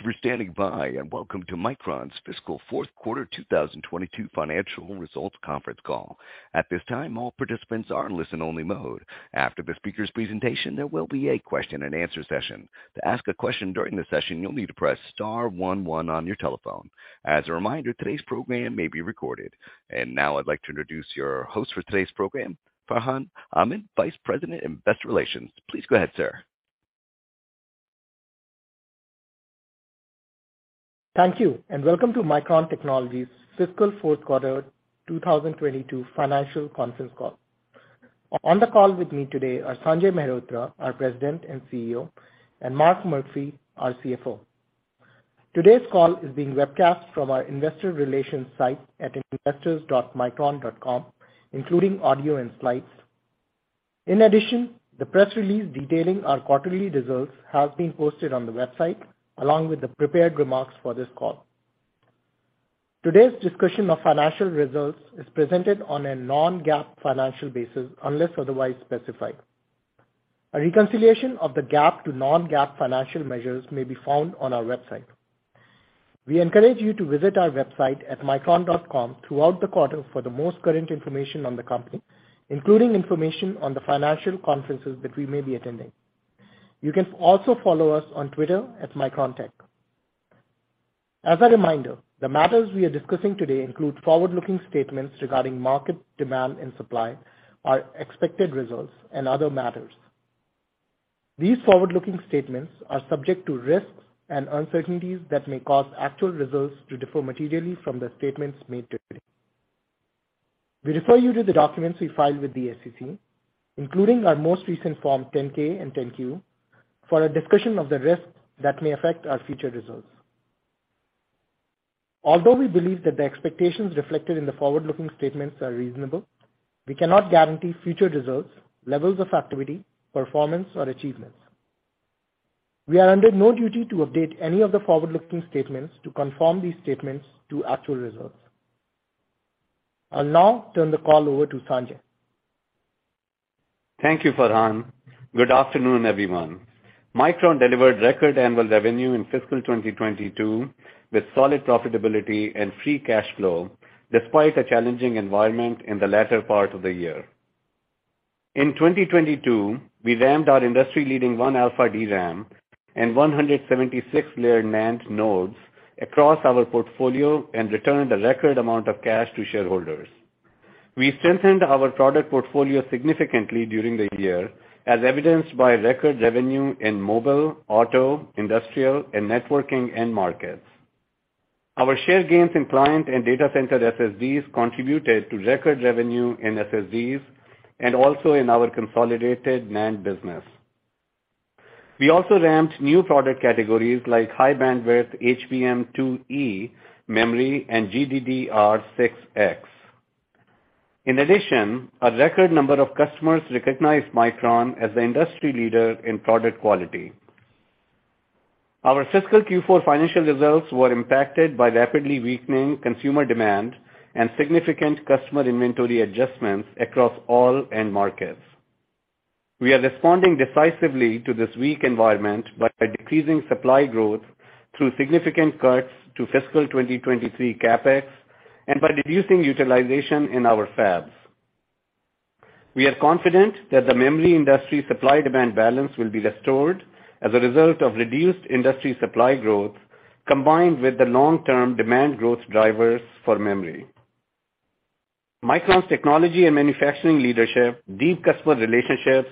Thank you for standing by, and welcome to Micron's fiscal fourth quarter 2022 financial results conference call. At this time, all participants are in listen only mode. After the speaker's presentation, there will be a question and answer session. To ask a question during the session, you'll need to press star one one on your telephone. As a reminder, today's program may be recorded. Now I'd like to introduce your host for today's program, Farhan Ahmad, Vice President in Investor Relations. Please go ahead, sir. Thank you, and welcome to Micron Technology's fiscal fourth quarter 2022 financial conference call. On the call with me today are Sanjay Mehrotra, our President and CEO, and Mark Murphy, our CFO. Today's call is being webcast from our investor relations site at investors.micron.com, including audio and slides. In addition, the press release detailing our quarterly results has been posted on the website, along with the prepared remarks for this call. Today's discussion of financial results is presented on a non-GAAP financial basis, unless otherwise specified. A reconciliation of the GAAP to non-GAAP financial measures may be found on our website. We encourage you to visit our website at micron.com throughout the quarter for the most current information on the company, including information on the financial conferences that we may be attending. You can also follow us on Twitter at MicronTech. As a reminder, the matters we are discussing today include forward-looking statements regarding market demand and supply, our expected results, and other matters. These forward-looking statements are subject to risks and uncertainties that may cause actual results to differ materially from the statements made today. We refer you to the documents we filed with the SEC, including our most recent Form 10-K and 10-Q, for a discussion of the risks that may affect our future results. Although we believe that the expectations reflected in the forward-looking statements are reasonable, we cannot guarantee future results, levels of activity, performance, or achievements. We are under no duty to update any of the forward-looking statements to confirm these statements to actual results. I'll now turn the call over to Sanjay. Thank you, Farhan. Good afternoon, everyone. Micron delivered record annual revenue in fiscal 2022 with solid profitability and free cash flow despite a challenging environment in the latter part of the year. In 2022, we ramped our industry-leading 1α DRAM and 176-layer NAND nodes across our portfolio and returned a record amount of cash to shareholders. We strengthened our product portfolio significantly during the year, as evidenced by record revenue in mobile, auto, industrial, and networking end markets. Our share gains in client and data center SSDs contributed to record revenue in SSDs and also in our consolidated NAND business. We also ramped new product categories like high bandwidth HBM2E memory and GDDR6X. In addition, a record number of customers recognized Micron as the industry leader in product quality. Our fiscal Q4 financial results were impacted by rapidly weakening consumer demand and significant customer inventory adjustments across all end markets. We are responding decisively to this weak environment by decreasing supply growth through significant cuts to fiscal 2023 CapEx and by reducing utilization in our fabs. We are confident that the memory industry supply-demand balance will be restored as a result of reduced industry supply growth, combined with the long-term demand growth drivers for memory. Micron's technology and manufacturing leadership, deep customer relationships,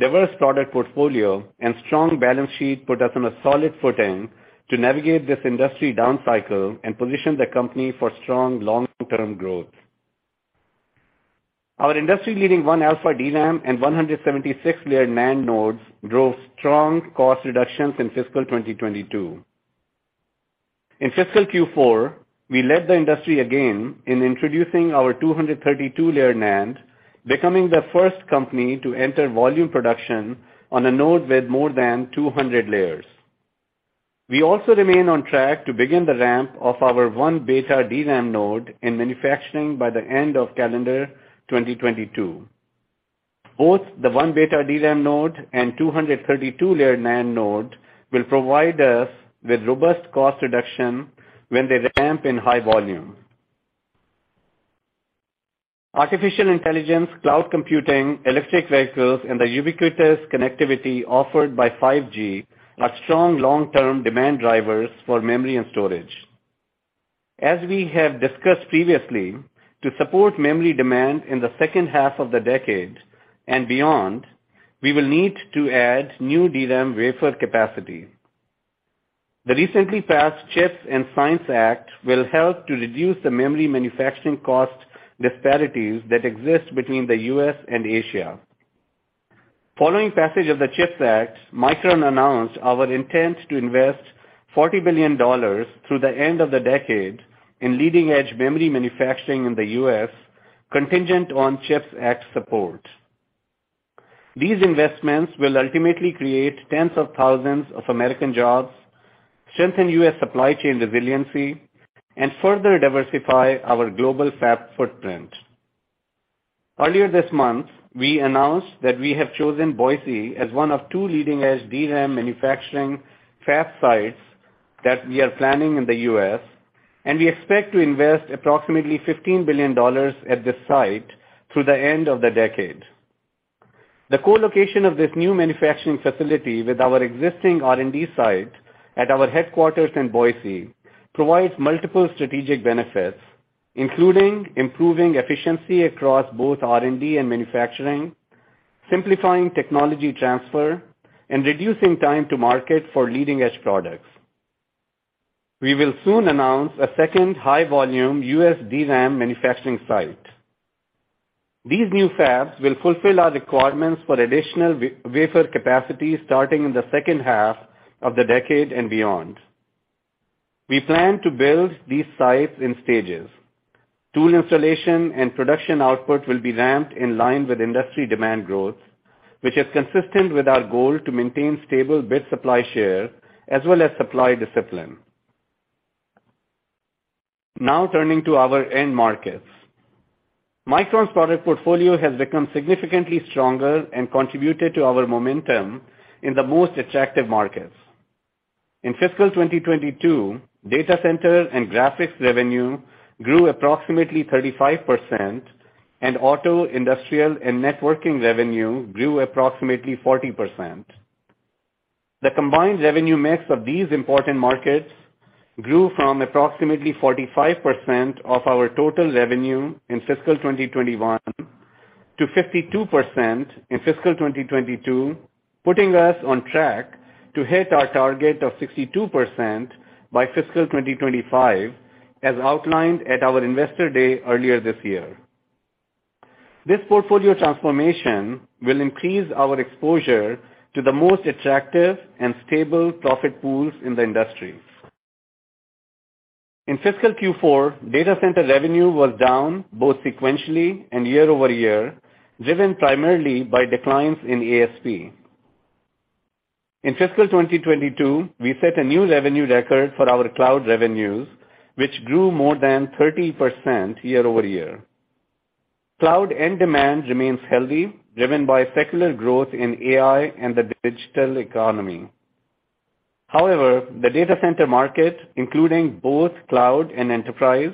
diverse product portfolio, and strong balance sheet put us on a solid footing to navigate this industry down cycle and position the company for strong long-term growth. Our industry-leading 1α DRAM and 176-layer NAND nodes drove strong cost reductions in fiscal 2022. In fiscal Q4, we led the industry again in introducing our 232-layer NAND, becoming the first company to enter volume production on a node with more than 200 layers. We also remain on track to begin the ramp of our 1β DRAM node in manufacturing by the end of calendar 2022. Both the 1β DRAM node and 232-layer NAND node will provide us with robust cost reduction when they ramp in high volume. Artificial intelligence, cloud computing, electric vehicles, and the ubiquitous connectivity offered by 5G are strong long-term demand drivers for memory and storage. As we have discussed previously, to support memory demand in the second half of the decade and beyond, we will need to add new DRAM wafer capacity. The recently passed CHIPS and Science Act will help to reduce the memory manufacturing cost disparities that exist between the U.S. and Asia. Following passage of the CHIPS Act, Micron announced our intent to invest $40 billion through the end of the decade in leading-edge memory manufacturing in the U.S., contingent on CHIPS Act support. These investments will ultimately create tens of thousands of American jobs, strengthen U.S. supply chain resiliency, and further diversify our global fab footprint. Earlier this month, we announced that we have chosen Boise as one of two leading-edge DRAM manufacturing fab sites that we are planning in the U.S., and we expect to invest approximately $15 billion at this site through the end of the decade. The co-location of this new manufacturing facility with our existing R&D site at our headquarters in Boise provides multiple strategic benefits, including improving efficiency across both R&D and manufacturing, simplifying technology transfer, and reducing time to market for leading-edge products. We will soon announce a second high-volume U.S. DRAM manufacturing site. These new fabs will fulfill our requirements for additional wafer capacity starting in the second half of the decade and beyond. We plan to build these sites in stages. Tool installation and production output will be ramped in line with industry demand growth, which is consistent with our goal to maintain stable bit supply share as well as supply discipline. Now turning to our end markets. Micron's product portfolio has become significantly stronger and contributed to our momentum in the most attractive markets. In fiscal 2022, data center and graphics revenue grew approximately 35%, and auto, industrial, and networking revenue grew approximately 40%. The combined revenue mix of these important markets grew from approximately 45% of our total revenue in fiscal 2021 to 52% in fiscal 2022, putting us on track to hit our target of 62% by fiscal 2025, as outlined at our Investor Day earlier this year. This portfolio transformation will increase our exposure to the most attractive and stable profit pools in the industry. In fiscal Q4, data center revenue was down both sequentially and year-over-year, driven primarily by declines in ASP. In fiscal 2022, we set a new revenue record for our cloud revenues, which grew more than 30% year-over-year. Cloud end demand remains healthy, driven by secular growth in AI and the digital economy. However, the data center market, including both cloud and enterprise,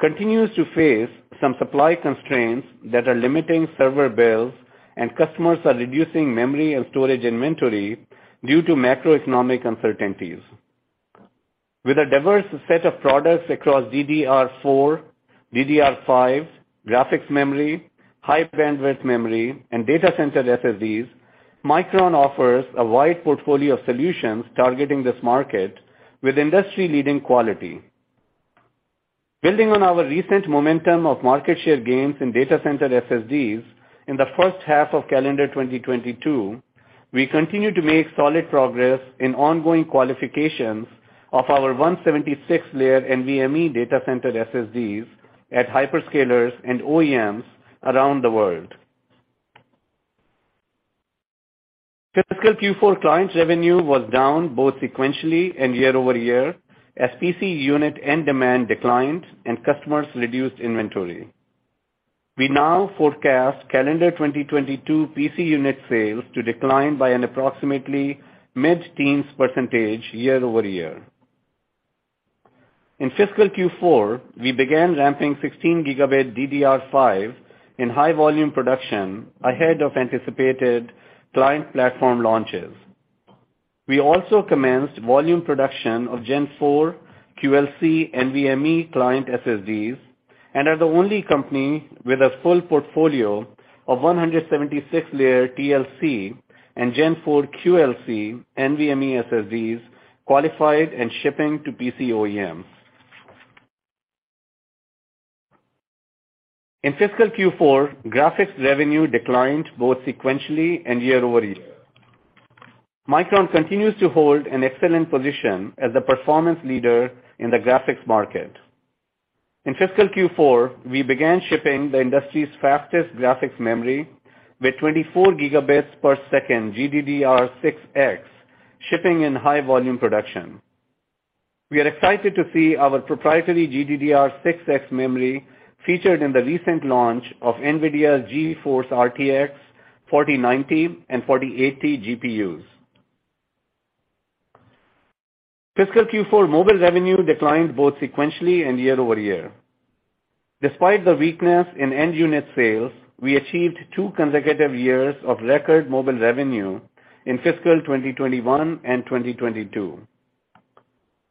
continues to face some supply constraints that are limiting server builds and customers are reducing memory and storage inventory due to macroeconomic uncertainties. With a diverse set of products across DDR4, DDR5, graphics memory, high bandwidth memory, and data center SSDs, Micron offers a wide portfolio of solutions targeting this market with industry-leading quality. Building on our recent momentum of market share gains in data center SSDs in the first half of calendar 2022, we continue to make solid progress in ongoing qualifications of our 176-layer NVMe data center SSDs at hyperscalers and OEMs around the world. Fiscal Q4 client revenue was down both sequentially and year-over-year as PC unit end demand declined and customers reduced inventory. We now forecast calendar 2022 PC unit sales to decline by an approximately mid-teens% year-over-year. In fiscal Q4, we began ramping 16Gb DDR5 in high volume production ahead of anticipated client platform launches. We also commenced volume production of Gen4 QLC NVMe client SSDs and are the only company with a full portfolio of 176-layer TLC and Gen4 QLC NVMe SSDs qualified and shipping to PC OEMs. In fiscal Q4, graphics revenue declined both sequentially and year-over-year. Micron continues to hold an excellent position as the performance leader in the graphics market. In fiscal Q4, we began shipping the industry's fastest graphics memory with 24Gbps GDDR6X shipping in high volume production. We are excited to see our proprietary GDDR6X memory featured in the recent launch of NVIDIA's GeForce RTX 4090 and 4080 GPUs. Fiscal Q4 mobile revenue declined both sequentially and year-over-year. Despite the weakness in end unit sales, we achieved 2 consecutive years of record mobile revenue in fiscal 2021 and 2022.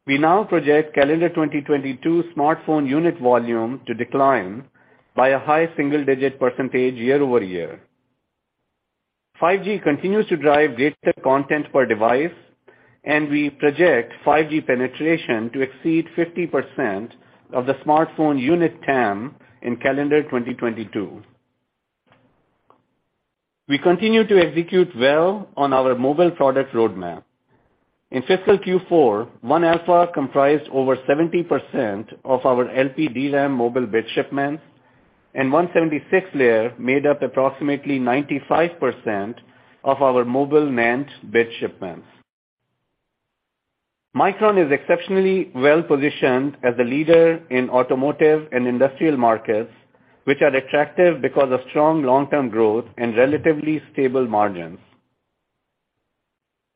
We now project calendar 2022 smartphone unit volume to decline by a high single-digit percentage year-over-year. 5G continues to drive data content per device, and we project 5G penetration to exceed 50% of the smartphone unit TAM in calendar 2022. We continue to execute well on our mobile product roadmap. In fiscal Q4, 1α comprised over 70% of our LPDRAM mobile bit shipments, and 176-layer made up approximately 95% of our mobile NAND bit shipments. Micron is exceptionally well-positioned as a leader in automotive and industrial markets, which are attractive because of strong long-term growth and relatively stable margins.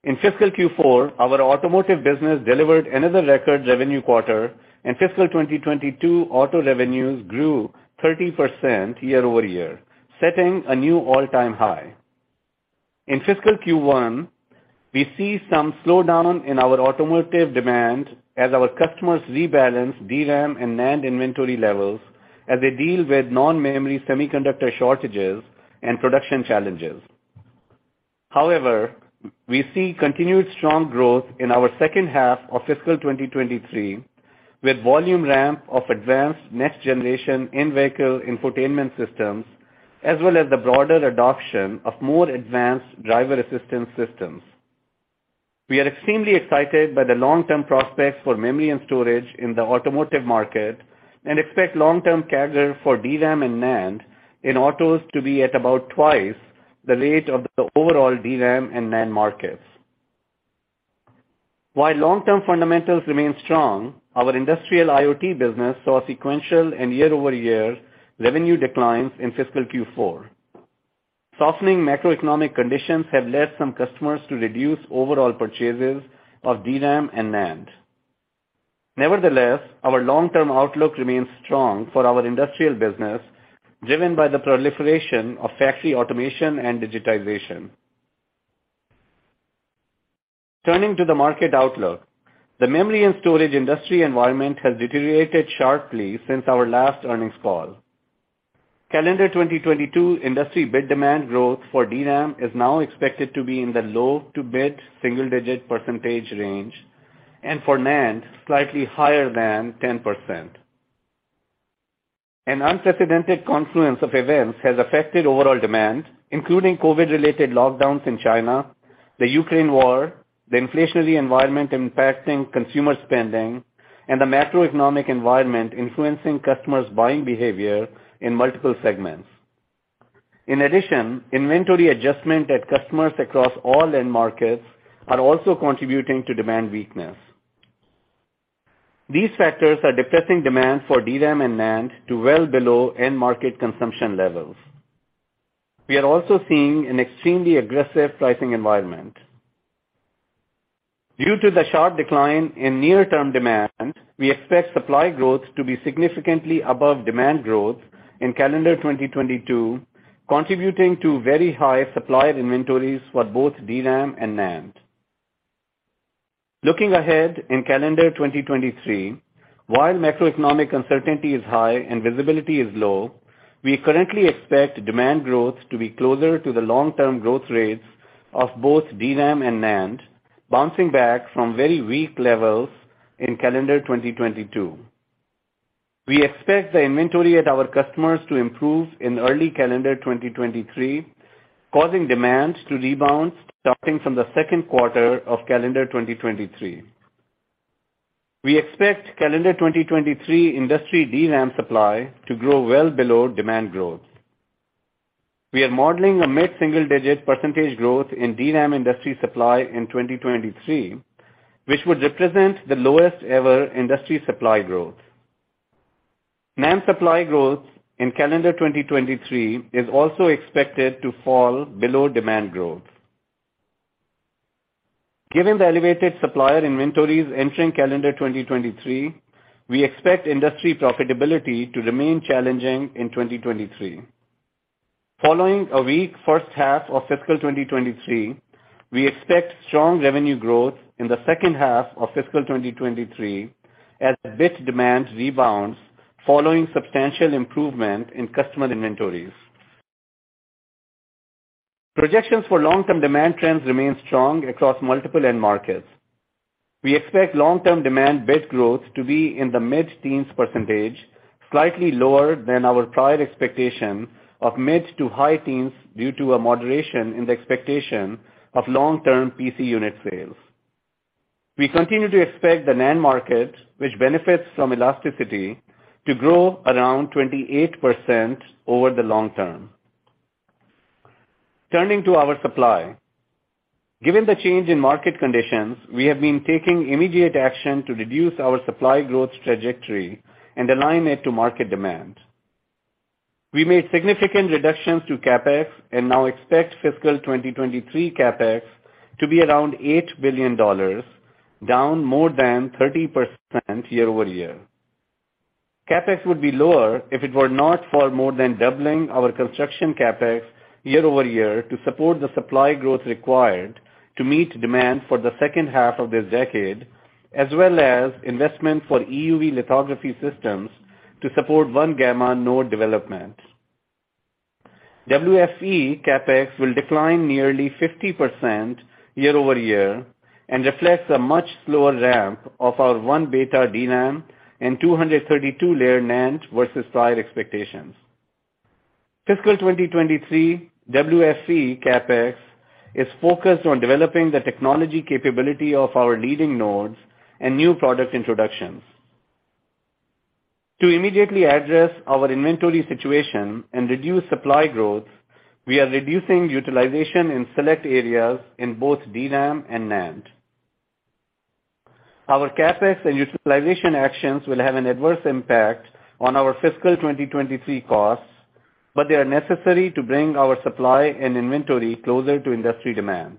In fiscal Q4, our automotive business delivered another record revenue quarter, and fiscal 2022 auto revenues grew 30% year-over-year, setting a new all-time high. In fiscal Q1, we see some slowdown in our automotive demand as our customers rebalance DRAM and NAND inventory levels as they deal with non-memory semiconductor shortages and production challenges. However, we see continued strong growth in our second half of fiscal 2023, with volume ramp of advanced next-generation in-vehicle infotainment systems, as well as the broader adoption of more advanced driver assistance systems. We are extremely excited by the long-term prospects for memory and storage in the automotive market and expect long-term CAGR for DRAM and NAND in autos to be at about twice the rate of the overall DRAM and NAND markets. While long-term fundamentals remain strong, our industrial IoT business saw sequential and year-over-year revenue declines in fiscal Q4. Softening macroeconomic conditions have led some customers to reduce overall purchases of DRAM and NAND. Nevertheless, our long-term outlook remains strong for our industrial business, driven by the proliferation of factory automation and digitization. Turning to the market outlook. The memory and storage industry environment has deteriorated sharply since our last earnings call. Calendar 2022 industry bit demand growth for DRAM is now expected to be in the low- to mid-single-digit % range, and for NAND, slightly higher than 10%. An unprecedented confluence of events has affected overall demand, including COVID-related lockdowns in China, the Ukraine war, the inflationary environment impacting consumer spending, and the macroeconomic environment influencing customers' buying behavior in multiple segments. In addition, inventory adjustment at customers across all end markets are also contributing to demand weakness. These factors are depressing demand for DRAM and NAND to well below end market consumption levels. We are also seeing an extremely aggressive pricing environment. Due to the sharp decline in near-term demand, we expect supply growth to be significantly above demand growth in calendar 2022, contributing to very high supplier inventories for both DRAM and NAND. Looking ahead in calendar 2023, while macroeconomic uncertainty is high and visibility is low, we currently expect demand growth to be closer to the long-term growth rates of both DRAM and NAND, bouncing back from very weak levels in calendar 2022. We expect the inventory at our customers to improve in early calendar 2023, causing demand to rebound starting from the second quarter of calendar 2023. We expect calendar 2023 industry DRAM supply to grow well below demand growth. We are modeling a mid-single-digit % growth in DRAM industry supply in 2023, which would represent the lowest ever industry supply growth. NAND supply growth in calendar 2023 is also expected to fall below demand growth. Given the elevated supplier inventories entering calendar 2023, we expect industry profitability to remain challenging in 2023. Following a weak first half of fiscal 2023, we expect strong revenue growth in the second half of fiscal 2023 as bit demand rebounds following substantial improvement in customer inventories. Projections for long-term demand trends remain strong across multiple end markets. We expect long-term demand bit growth to be in the mid-teens %, slightly lower than our prior expectation of mid- to high-teens due to a moderation in the expectation of long-term PC unit sales. We continue to expect the NAND market, which benefits from elasticity, to grow around 28% over the long term. Turning to our supply. Given the change in market conditions, we have been taking immediate action to reduce our supply growth trajectory and align it to market demand. We made significant reductions to CapEx and now expect fiscal 2023 CapEx to be around $8 billion, down more than 30% year-over-year. CapEx would be lower if it were not for more than doubling our construction CapEx year-over-year to support the supply growth required to meet demand for the second half of this decade, as well as investment for EUV lithography systems to support 1-gamma node development. WFE CapEx will decline nearly 50% year-over-year and reflects a much slower ramp of our 1β DRAM and 232-layer NAND versus prior expectations. Fiscal 2023 WFE CapEx is focused on developing the technology capability of our leading nodes and new product introductions. To immediately address our inventory situation and reduce supply growth, we are reducing utilization in select areas in both DRAM and NAND. Our CapEx and utilization actions will have an adverse impact on our fiscal 2023 costs, but they are necessary to bring our supply and inventory closer to industry demand.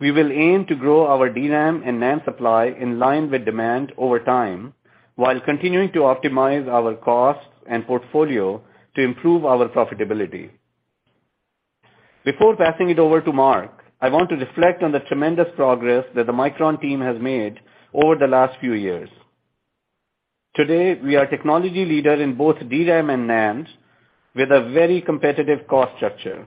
We will aim to grow our DRAM and NAND supply in line with demand over time, while continuing to optimize our costs and portfolio to improve our profitability. Before passing it over to Mark, I want to reflect on the tremendous progress that the Micron team has made over the last few years. Today, we are a technology leader in both DRAM and NAND, with a very competitive cost structure.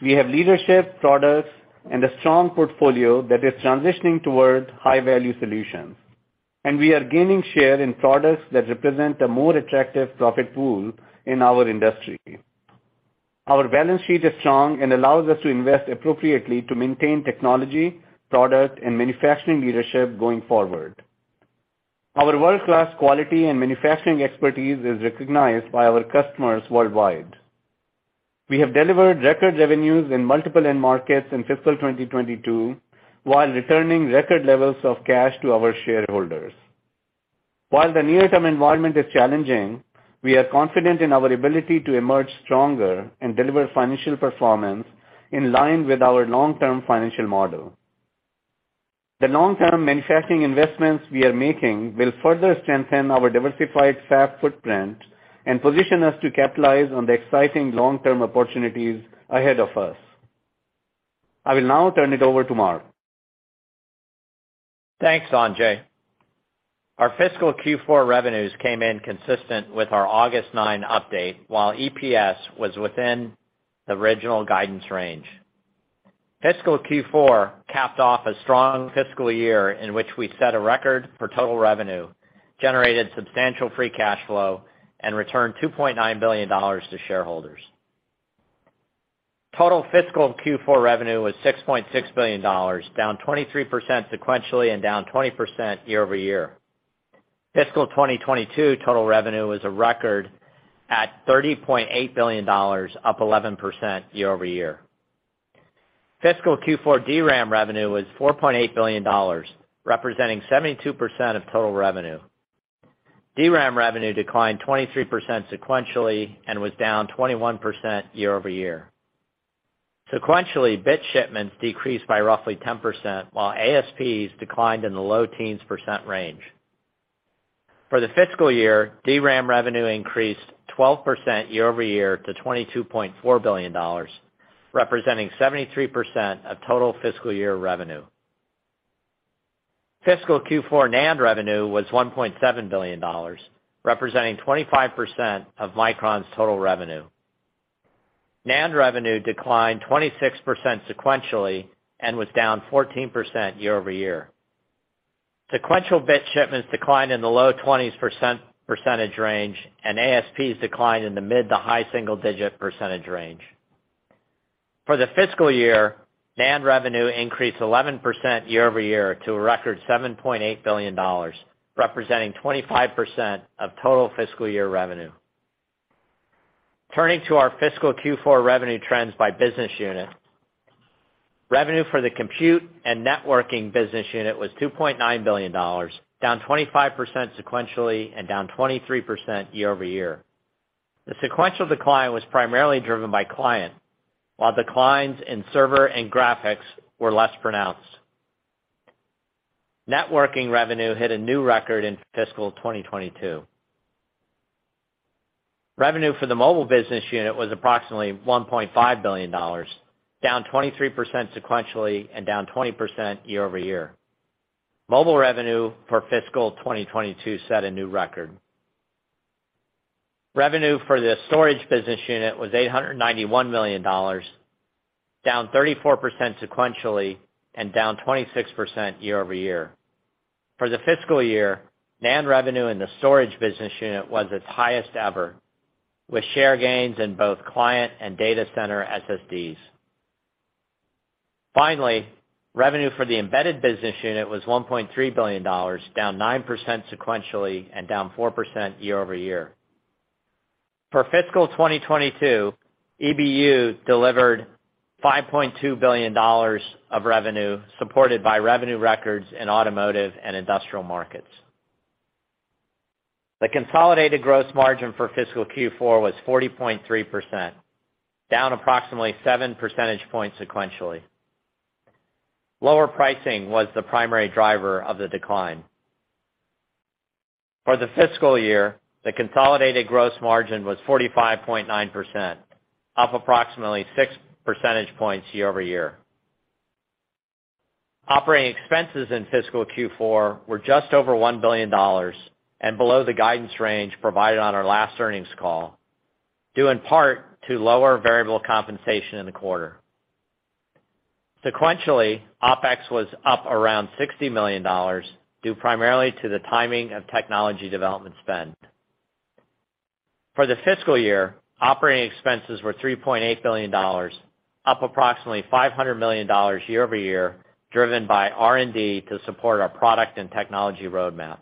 We have leadership products and a strong portfolio that is transitioning towards high-value solutions, and we are gaining share in products that represent a more attractive profit pool in our industry. Our balance sheet is strong and allows us to invest appropriately to maintain technology, product, and manufacturing leadership going forward. Our world-class quality and manufacturing expertise is recognized by our customers worldwide. We have delivered record revenues in multiple end markets in fiscal 2022, while returning record levels of cash to our shareholders. While the near-term environment is challenging, we are confident in our ability to emerge stronger and deliver financial performance in line with our long-term financial model. The long-term manufacturing investments we are making will further strengthen our diversified fab footprint and position us to capitalize on the exciting long-term opportunities ahead of us. I will now turn it over to Mark. Thanks, Sanjay. Our fiscal Q4 revenues came in consistent with our August 9 update, while EPS was within the original guidance range. Fiscal Q4 capped off a strong fiscal year in which we set a record for total revenue, generated substantial free cash flow, and returned $2.9 billion to shareholders. Total fiscal Q4 revenue was $6.6 billion, down 23% sequentially and down 20% year-over-year. Fiscal 2022 total revenue was a record at $30.8 billion, up 11% year-over-year. Fiscal Q4 DRAM revenue was $4.8 billion, representing 72% of total revenue. DRAM revenue declined 23% sequentially and was down 21% year-over-year. Sequentially, bit shipments decreased by roughly 10%, while ASPs declined in the low teens% range. For the fiscal year, DRAM revenue increased 12% year-over-year to $22.4 billion, representing 73% of total fiscal year revenue. Fiscal Q4 NAND revenue was $1.7 billion, representing 25% of Micron's total revenue. NAND revenue declined 26% sequentially and was down 14% year-over-year. Sequential bit shipments declined in the low 20s percentage range, and ASPs declined in the mid- to high single-digit % range. For the fiscal year, NAND revenue increased 11% year-over-year to a record $7.8 billion, representing 25% of total fiscal year revenue. Turning to our fiscal Q4 revenue trends by business unit. Revenue for the compute and networking business unit was $2.9 billion, down 25% sequentially and down 23% year-over-year. The sequential decline was primarily driven by client, while declines in server and graphics were less pronounced. Networking revenue hit a new record in fiscal 2022. Revenue for the mobile business unit was approximately $1.5 billion, down 23% sequentially and down 20% year-over-year. Mobile revenue for fiscal 2022 set a new record. Revenue for the storage business unit was $891 million, down 34% sequentially and down 26% year-over-year. For the fiscal year, NAND revenue in the storage business unit was its highest ever, with share gains in both client and data center SSDs. Finally, revenue for the embedded business unit was $1.3 billion, down 9% sequentially and down 4% year-over-year. For fiscal 2022, EBU delivered $5.2 billion of revenue, supported by revenue records in automotive and industrial markets. The consolidated gross margin for fiscal Q4 was 40.3%, down approximately seven percentage points sequentially. Lower pricing was the primary driver of the decline. For the fiscal year, the consolidated gross margin was 45.9%, up approximately six percentage points year-over-year. Operating expenses in fiscal Q4 were just over $1 billion and below the guidance range provided on our last earnings call, due in part to lower variable compensation in the quarter. Sequentially, OpEx was up around $60 million, due primarily to the timing of technology development spend. For the fiscal year, operating expenses were $3.8 billion, up approximately $500 million year-over-year, driven by R&D to support our product and technology roadmaps.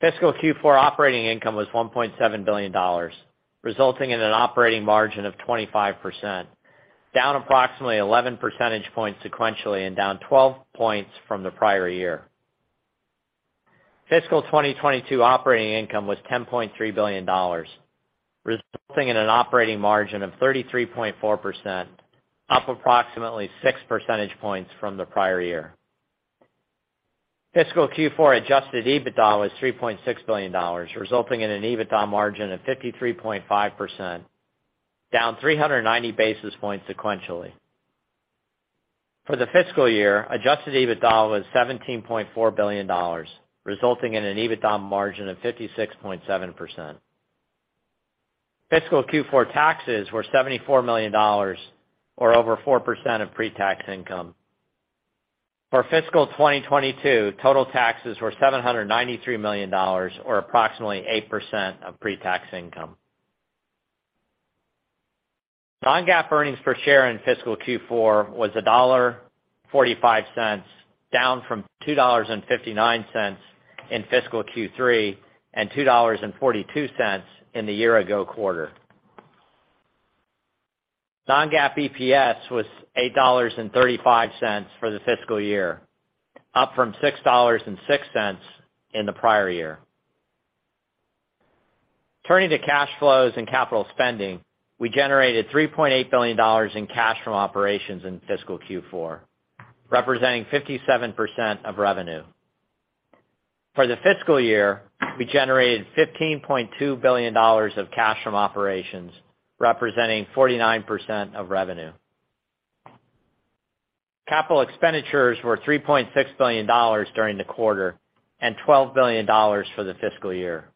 Fiscal Q4 operating income was $1.7 billion, resulting in an operating margin of 25%, down approximately 11 percentage points sequentially and down 12 points from the prior year. Fiscal 2022 operating income was $10.3 billion, resulting in an operating margin of 33.4%, up approximately 6 percentage points from the prior year. Fiscal Q4 adjusted EBITDA was $3.6 billion, resulting in an EBITDA margin of 53.5%, down 390 basis points sequentially. For the fiscal year, adjusted EBITDA was $17.4 billion, resulting in an EBITDA margin of 56.7%. Fiscal Q4 taxes were $74 million, or over 4% of pre-tax income. For fiscal 2022, total taxes were $793 million, or approximately 8% of pre-tax income. Non-GAAP earnings per share in fiscal Q4 was $1.45, down from $2.59 in fiscal Q3, and $2.42 in the year ago quarter. Non-GAAP EPS was $8.35 for the fiscal year, up from $6.06 in the prior year. Turning to cash flows and capital spending, we generated $3.8 billion in cash from operations in fiscal Q4, representing 57% of revenue. For the fiscal year, we generated $15.2 billion of cash from operations, representing 49% of revenue. Capital expenditures were $3.6 billion during the quarter and $12 billion for the fiscal year.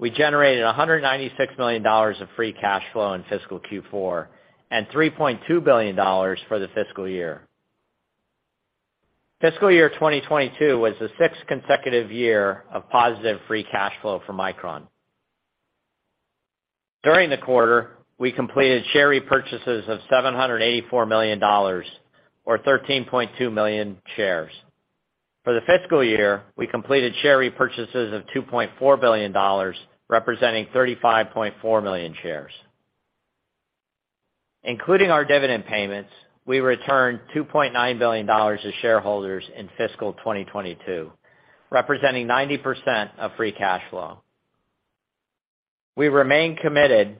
We generated $196 million of free cash flow in fiscal Q4, and $3.2 billion for the fiscal year. Fiscal year 2022 was the sixth consecutive year of positive free cash flow for Micron. During the quarter, we completed share repurchases of $784 million or 13.2 million shares. For the fiscal year, we completed share repurchases of $2.4 billion, representing 35.4 million shares. Including our dividend payments, we returned $2.9 billion to shareholders in fiscal 2022, representing 90% of free cash flow. We remain committed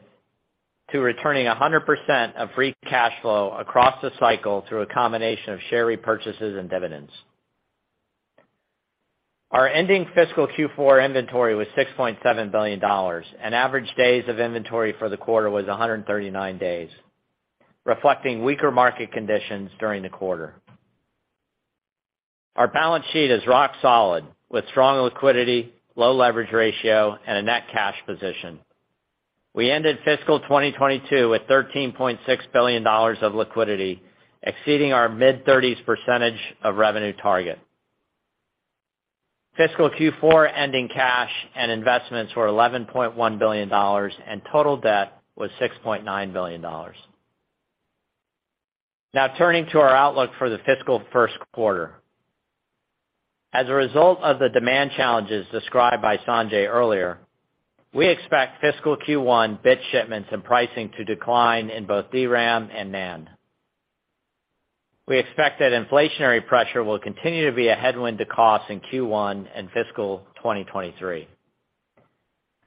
to returning 100% of free cash flow across the cycle through a combination of share repurchases and dividends. Our ending fiscal Q4 inventory was $6.7 billion, and average days of inventory for the quarter was 139 days, reflecting weaker market conditions during the quarter. Our balance sheet is rock solid, with strong liquidity, low leverage ratio, and a net cash position. We ended fiscal 2022 with $13.6 billion of liquidity, exceeding our mid-30s% of revenue target. Fiscal Q4 ending cash and investments were $11.1 billion, and total debt was $6.9 billion. Now turning to our outlook for the fiscal first quarter. As a result of the demand challenges described by Sanjay earlier, we expect fiscal Q1 bit shipments and pricing to decline in both DRAM and NAND. We expect that inflationary pressure will continue to be a headwind to cost in Q1 and fiscal 2023.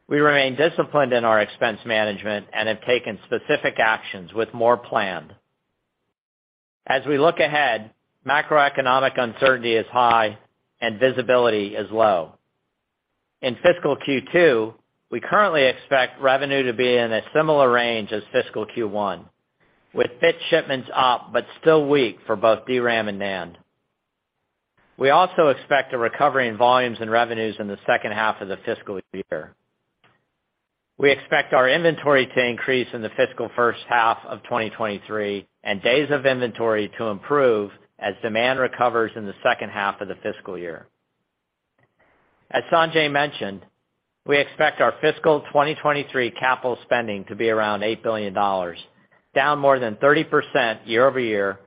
We remain disciplined in our expense management and have taken specific actions with more planned. As we look ahead, macroeconomic uncertainty is high and visibility is low. In fiscal Q2, we currently expect revenue to be in a similar range as fiscal Q1, with bit shipments up but still weak for both DRAM and NAND. We expect a recovery in volumes and revenues in the second half of the fiscal year. We expect our inventory to increase in the fiscal first half of 2023, and days of inventory to improve as demand recovers in the second half of the fiscal year. As Sanjay mentioned, we expect our fiscal 2023 capital spending to be around $8 billion, down more than 30% year-over-year,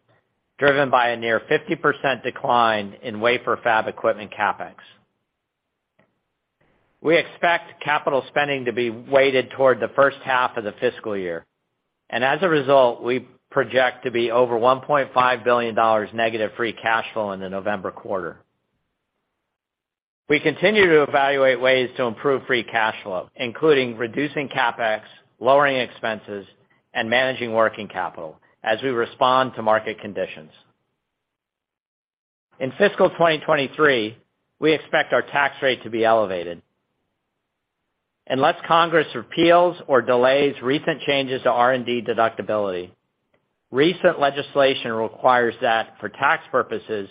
driven by a near 50% decline in wafer fab equipment CapEx. We expect capital spending to be weighted toward the first half of the fiscal year, and as a result, we project to be over $1.5 billion negative free cash flow in the November quarter. We continue to evaluate ways to improve free cash flow, including reducing CapEx, lowering expenses, and managing working capital as we respond to market conditions. In fiscal 2023, we expect our tax rate to be elevated. Unless Congress repeals or delays recent changes to R&D deductibility, recent legislation requires that for tax purposes,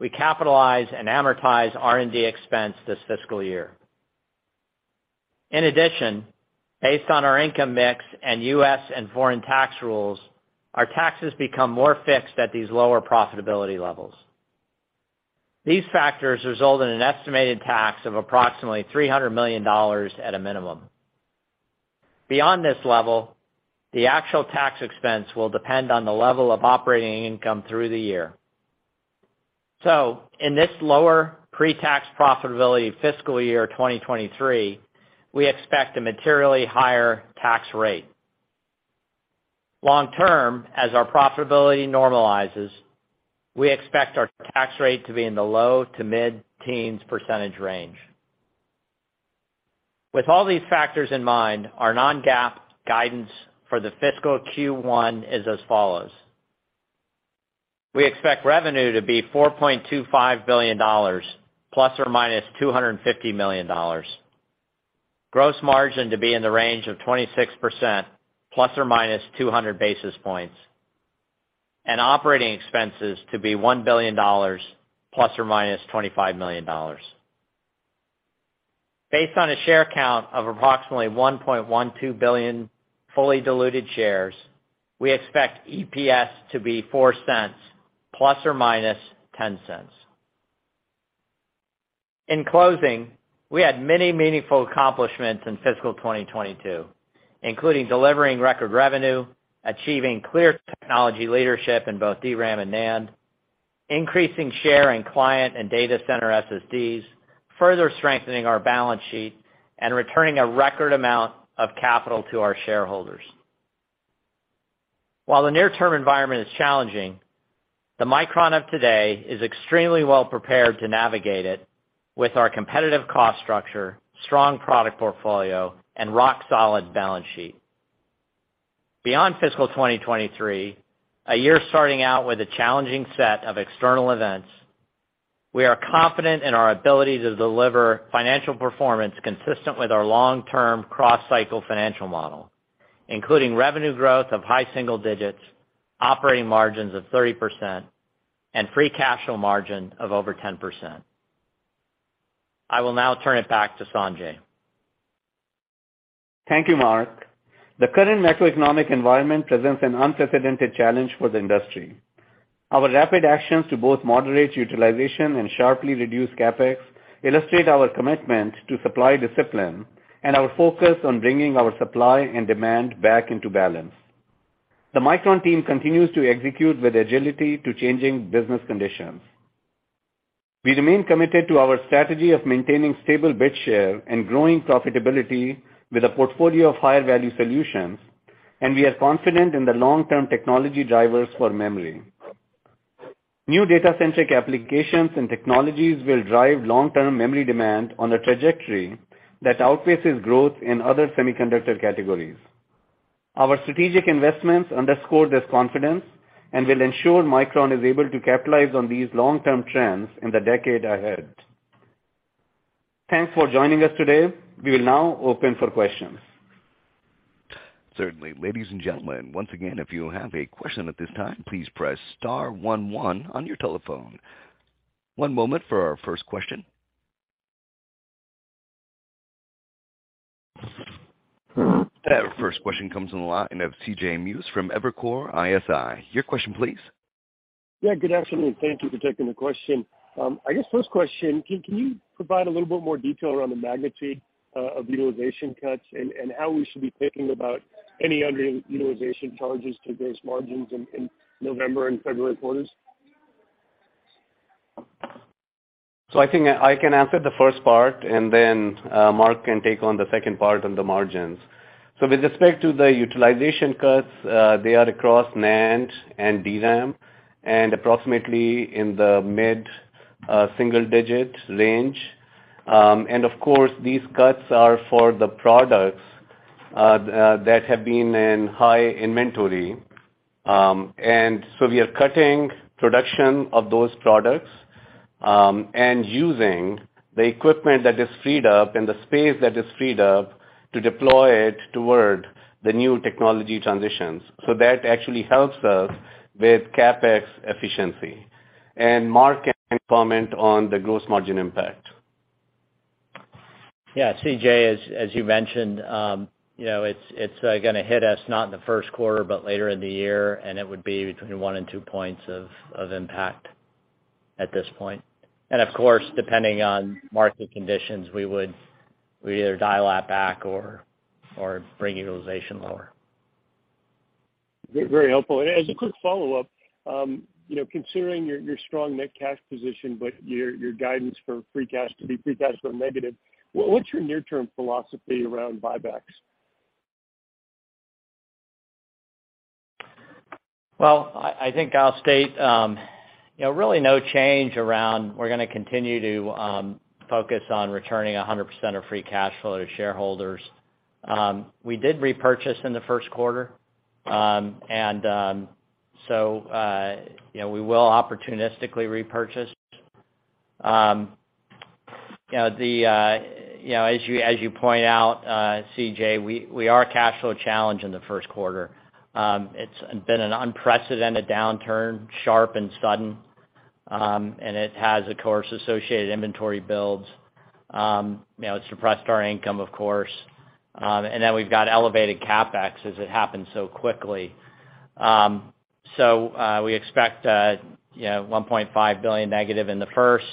we capitalize and amortize R&D expense this fiscal year. In addition, based on our income mix and U.S. and foreign tax rules, our taxes become more fixed at these lower profitability levels. These factors result in an estimated tax of approximately $300 million at a minimum. Beyond this level, the actual tax expense will depend on the level of operating income through the year. In this lower pre-tax profitability fiscal year 2023, we expect a materially higher tax rate. Long term, as our profitability normalizes, we expect our tax rate to be in the low to mid-teens % range. With all these factors in mind, our non-GAAP guidance for the fiscal Q1 is as follows: We expect revenue to be $4.25 billion ± $250 million, gross margin to be in the range of 26% ± 200 basis points, and operating expenses to be $1 billion ± $25 million. Based on a share count of approximately 1.12 billion fully diluted shares, we expect EPS to be $0.04 ± $0.10. In closing, we had many meaningful accomplishments in fiscal 2022, including delivering record revenue, achieving clear technology leadership in both DRAM and NAND, increasing share in client and data center SSDs, further strengthening our balance sheet, and returning a record amount of capital to our shareholders. While the near-term environment is challenging, the Micron of today is extremely well prepared to navigate it with our competitive cost structure, strong product portfolio, and rock solid balance sheet. Beyond fiscal 2023, a year starting out with a challenging set of external events, we are confident in our ability to deliver financial performance consistent with our long-term cross-cycle financial model, including revenue growth of high single digits%, operating margins of 30%, and free cash flow margin of over 10%. I will now turn it back to Sanjay. Thank you, Mark. The current macroeconomic environment presents an unprecedented challenge for the industry. Our rapid actions to both moderate utilization and sharply reduce CapEx illustrate our commitment to supply discipline and our focus on bringing our supply and demand back into balance. The Micron team continues to execute with agility to changing business conditions. We remain committed to our strategy of maintaining stable bit share and growing profitability with a portfolio of higher value solutions, and we are confident in the long-term technology drivers for memory. New data centric applications and technologies will drive long-term memory demand on a trajectory that outpaces growth in other semiconductor categories. Our strategic investments underscore this confidence and will ensure Micron is able to capitalize on these long-term trends in the decade ahead. Thanks for joining us today. We will now open for questions. Certainly. Ladies and gentlemen, once again, if you have a question at this time, please press star one one on your telephone. One moment for our first question. Our first question comes on the line of CJ Muse from Evercore ISI. Your question please. Yeah, good afternoon. Thank you for taking the question. I guess first question, can you provide a little bit more detail around the magnitude of utilization cuts and how we should be thinking about any other utilization charges to gross margins in November and February quarters? I think I can answer the first part and then Mark can take on the second part on the margins. With respect to the utilization cuts, they are across NAND and DRAM, and approximately in the mid single digit range. Of course, these cuts are for the products that have been in high inventory. We are cutting production of those products, and using the equipment that is freed up and the space that is freed up to deploy it toward the new technology transitions. That actually helps us with CapEx efficiency. Mark can comment on the gross margin impact. Yeah, CJ, as you mentioned, you know, it's gonna hit us not in the first quarter, but later in the year, and it would be between 1 and 2 points of impact at this point. Of course, depending on market conditions, we would either dial that back or bring utilization lower. Very helpful. As a quick follow-up, you know, considering your strong net cash position, but your guidance for free cash to be free cash flow negative, what's your near-term philosophy around buybacks? I think I'll state, you know, really no change around we're gonna continue to focus on returning 100% of free cash flow to shareholders. We did repurchase in the first quarter. You know, we will opportunistically repurchase. You know, as you point out, C.J., we are cash flow challenged in the first quarter. It's been an unprecedented downturn, sharp and sudden. It has, of course, associated inventory builds. You know, it suppressed our income, of course. Then we've got elevated CapEx as it happened so quickly. We expect $1.5 billion negative in the first.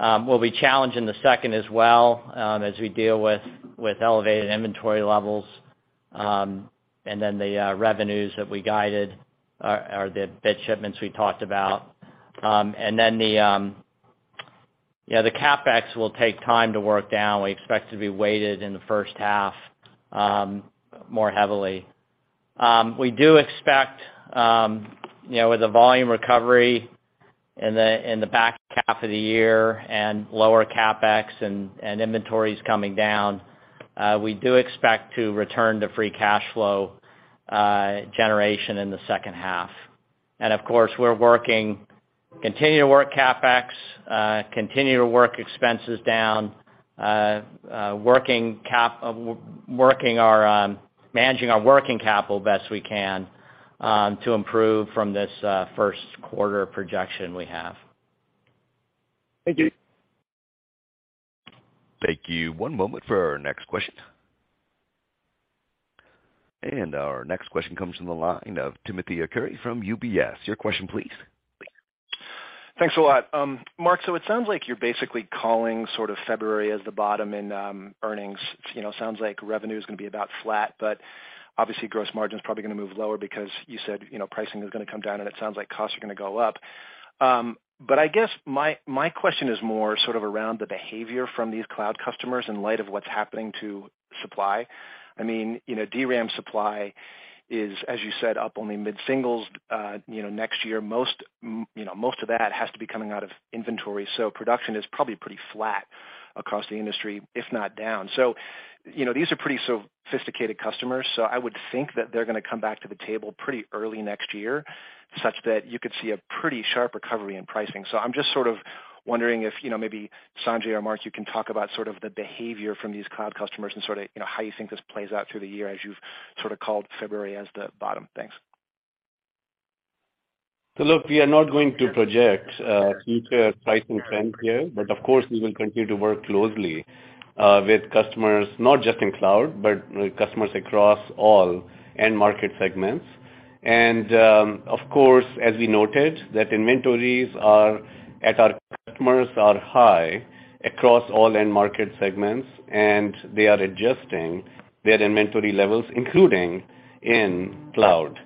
We'll be challenged in the second as well as we deal with elevated inventory levels, and then the revenues that we guided or the bit shipments we talked about. The CapEx will take time to work down. We expect to be weighted in the first half more heavily. We do expect, you know, with the volume recovery in the back half of the year and lower CapEx and inventories coming down, we do expect to return to free cash flow generation in the second half. Of course, we're continuing to work CapEx, continuing to work expenses down, managing our working capital best we can to improve from this first quarter projection we have. Thank you. Thank you. One moment for our next question. Our next question comes from the line of Timothy Arcuri from UBS. Your question, please. Thanks a lot. Mark, so it sounds like you're basically calling sort of February as the bottom in earnings. You know, sounds like revenue is gonna be about flat, but obviously gross margin is probably gonna move lower because you said, you know, pricing is gonna come down, and it sounds like costs are gonna go up. But I guess my question is more sort of around the behavior from these cloud customers in light of what's happening to supply. I mean, you know, DRAM supply is, as you said, up only mid-singles next year. Most you know, most of that has to be coming out of inventory. So production is probably pretty flat across the industry, if not down. You know, these are pretty sophisticated customers, so I would think that they're gonna come back to the table pretty early next year, such that you could see a pretty sharp recovery in pricing. I'm just sort of wondering if, you know, maybe Sanjay or Mark, you can talk about sort of the behavior from these cloud customers and sort of, you know, how you think this plays out through the year as you've sort of called February as the bottom. Thanks. Look, we are not going to project future pricing trends here, but of course, we will continue to work closely with customers, not just in cloud, but with customers across all end market segments. Of course, as we noted, inventories at our customers are high across all end market segments, and they are adjusting their inventory levels, including in cloud.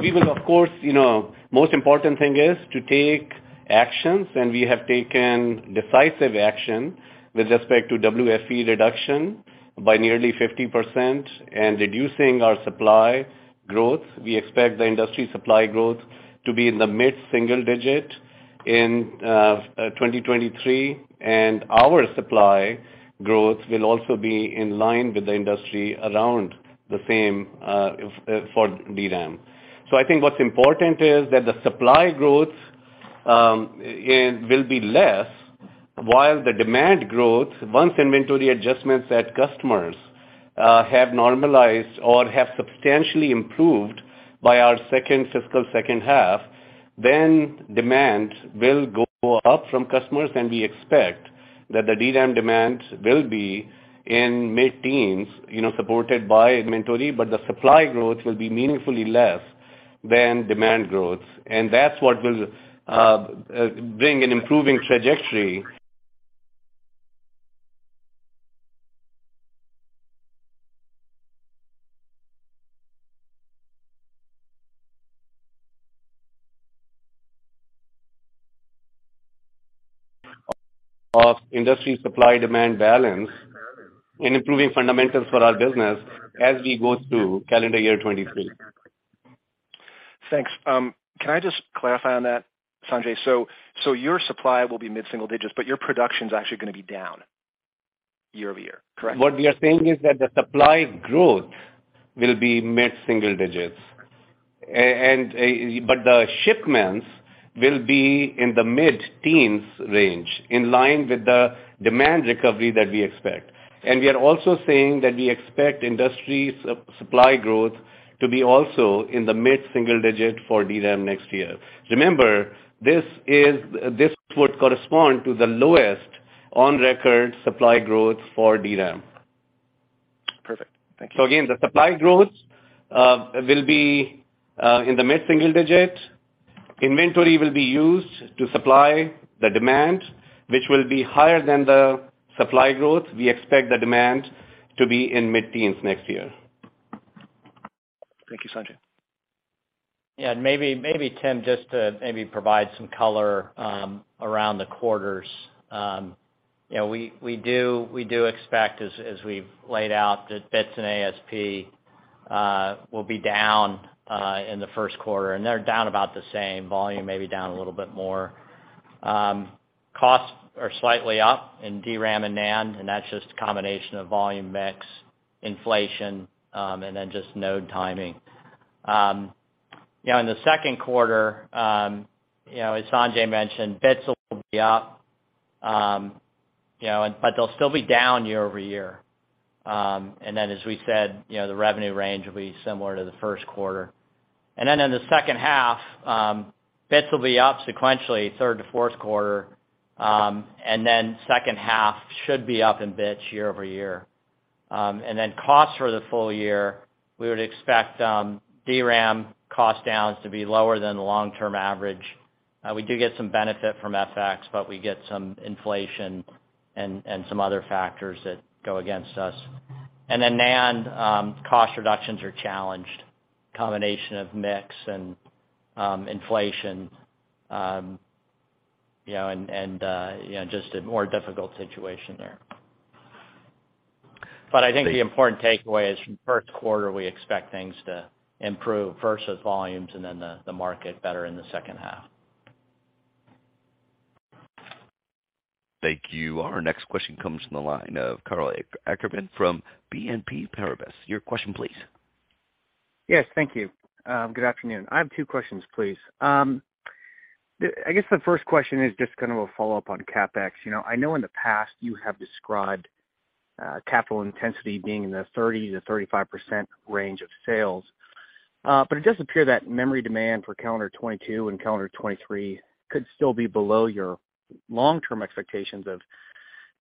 We will, of course, you know, most important thing is to take actions, and we have taken decisive action with respect to WFE reduction by nearly 50% and reducing our supply growth. We expect the industry supply growth to be in the mid-single-digit % in 2023, and our supply growth will also be in line with the industry around the same for DRAM. I think what's important is that the supply growth, it will be less, while the demand growth, once inventory adjustments at customers have normalized or have substantially improved by our second fiscal half, then demand will go up from customers, and we expect that the DRAM demand will be in mid-teens, you know, supported by inventory, but the supply growth will be meaningfully less than demand growth. And that's what will bring an improving trajectory of industry supply-demand balance and improving fundamentals for our business as we go through calendar year 2023. Thanks. Can I just clarify on that, Sanjay? Your supply will be mid-single digits, but your production is actually gonna be down year-over-year, correct? What we are saying is that the supply growth will be mid-single digits. But the shipments will be in the mid-teens range, in line with the demand recovery that we expect. We are also saying that we expect industry supply growth to be also in the mid-single digit for DRAM next year. Remember, this would correspond to the lowest on record supply growth for DRAM. Perfect. Thank you. Again, the supply growth will be in the mid-single-digit %. Inventory will be used to supply the demand, which will be higher than the supply growth. We expect the demand to be in the mid-teens % next year. Thank you, Sanjay. Yeah. Maybe, Tim, just to provide some color around the quarters. We do expect, as we've laid out, that bits and ASP will be down in the first quarter, and they're down about the same volume, maybe down a little bit more. Costs are slightly up in DRAM and NAND, and that's just a combination of volume mix, inflation, and then just node timing. In the second quarter, as Sanjay mentioned, bits will be up, but they'll still be down year-over-year. As we said, the revenue range will be similar to the first quarter. Then in the second half, bits will be up sequentially third to fourth quarter, and then second half should be up in bits year-over-year. Then costs for the full year, we would expect, DRAM cost downs to be lower than the long-term average. We do get some benefit from FX, but we get some inflation and some other factors that go against us. Then NAND cost reductions are challenged, combination of mix and inflation, you know, and just a more difficult situation there. I think the important takeaway is from first quarter, we expect things to improve versus volumes and then the market better in the second half. Thank you. Our next question comes from the line of Karl Ackerman from BNP Paribas. Your question, please. Yes, thank you. Good afternoon. I have two questions, please. I guess the first question is just kind of a follow-up on CapEx. You know, I know in the past, you have described capital intensity being in the 30%-35% range of sales. But it does appear that memory demand for calendar 2022 and calendar 2023 could still be below your long-term expectations of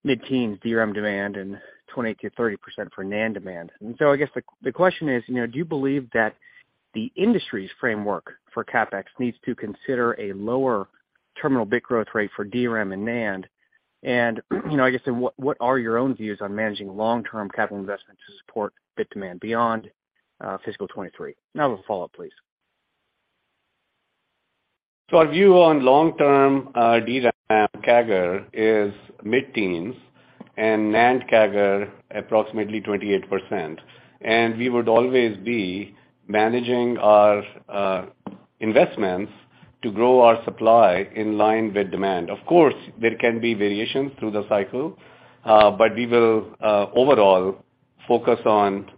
mid-teen DRAM demand and 20%-30% for NAND demand. I guess the question is, you know, do you believe that the industry's framework for CapEx needs to consider a lower terminal bit growth rate for DRAM and NAND? You know, I guess then what are your own views on managing long-term capital investments to support bit demand beyond fiscal 2023? I have a follow-up, please. Our view on long-term DRAM CAGR is mid-teens% and NAND CAGR approximately 28%. We would always be managing our investments to grow our supply in line with demand. Of course, there can be variations through the cycle, but we will overall focus on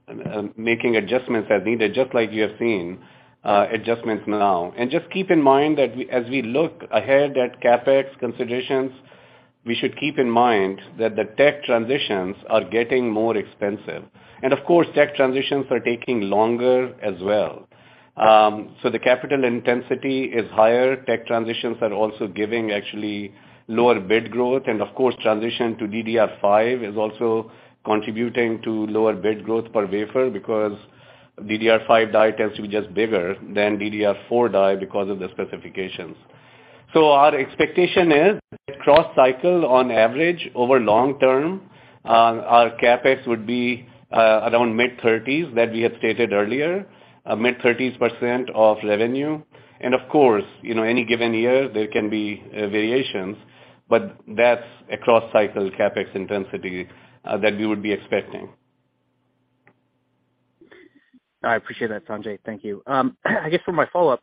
making adjustments as needed, just like you have seen adjustments now. Just keep in mind that as we look ahead at CapEx considerations, we should keep in mind that the tech transitions are getting more expensive. Of course, tech transitions are taking longer as well. The capital intensity is higher. Tech transitions are also giving actually lower bit growth. Of course, transition to DDR5 is also contributing to lower bit growth per wafer because DDR5 die tends to be just bigger than DDR4 die because of the specifications. Our expectation is that cross-cycle on average over long term, our CapEx would be around mid-thirties that we had stated earlier, mid-thirties% of revenue. Of course, you know, any given year, there can be variations, but that's a cross-cycle CapEx intensity that we would be expecting. I appreciate that, Sanjay. Thank you. I guess for my follow-up,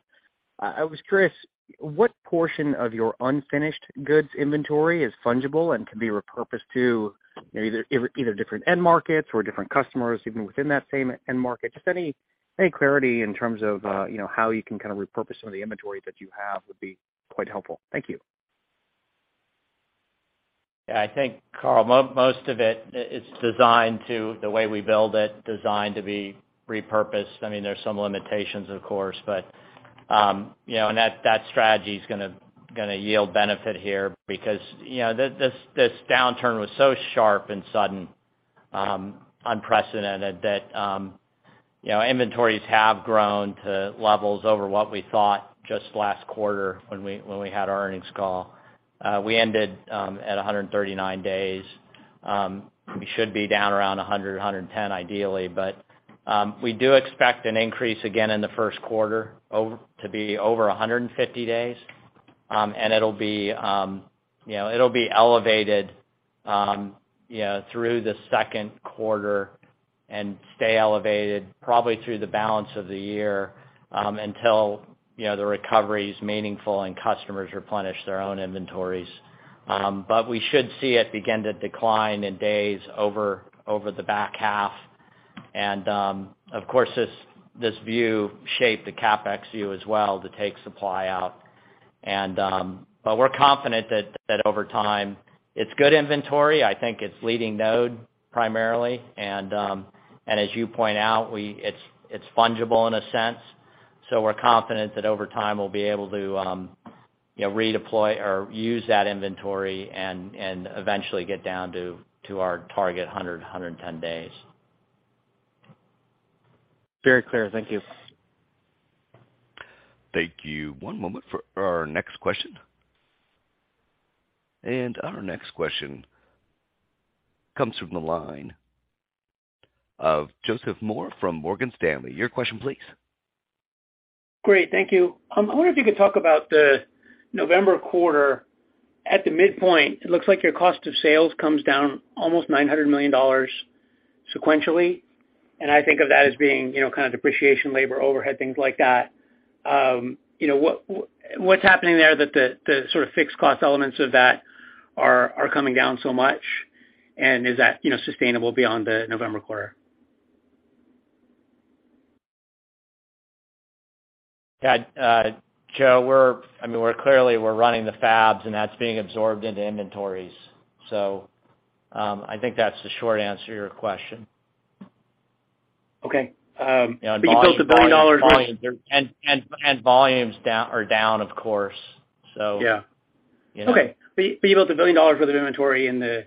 I was curious, what portion of your unfinished goods inventory is fungible and can be repurposed to either different end markets or different customers, even within that same end market? Just any clarity in terms of, you know, how you can kind of repurpose some of the inventory that you have would be quite helpful. Thank you. Yeah. I think, Karl, most of it's designed to, the way we build it, designed to be repurposed. I mean, there's some limitations, of course, but you know, and that strategy is gonna yield benefit here because, you know, this downturn was so sharp and sudden, unprecedented that, you know, inventories have grown to levels over what we thought just last quarter when we had our earnings call. We ended at 139 days. We should be down around 110 ideally. We do expect an increase again in the first quarter, to be over 150 days. It'll be elevated, you know, through the second quarter and stay elevated probably through the balance of the year, until you know, the recovery is meaningful and customers replenish their own inventories. But we should see it begin to decline in days over the back half. Of course, this view shape the CapEx view as well to take supply out. But we're confident that over time, it's good inventory. I think it's leading node primarily. And as you point out, it's fungible in a sense. We're confident that over time, we'll be able to, you know, redeploy or use that inventory and eventually get down to our target 110 days. Very clear. Thank you. Thank you. One moment for our next question. Our next question comes from the line of Joseph Moore from Morgan Stanley. Your question, please. Great. Thank you. I wonder if you could talk about the November quarter. At the midpoint, it looks like your cost of sales comes down almost $900 million sequentially, and I think of that as being, you know, kind of depreciation, labor, overhead, things like that. You know, what's happening there that the sort of fixed cost elements of that are coming down so much, and is that, you know, sustainable beyond the November quarter? Yeah. Joe, I mean, we're clearly running the fabs, and that's being absorbed into inventories. I think that's the short answer to your question. Okay, you built $1 billion. volumes are down, of course. Yeah. You know. Okay. You built $1 billion worth of inventory in the